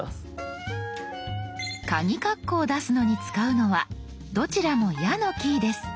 カギカッコを出すのに使うのはどちらも「や」のキーです。